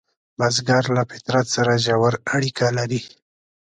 بزګر له فطرت سره ژور اړیکه لري